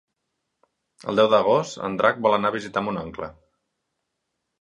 El deu d'agost en Drac vol anar a visitar mon oncle.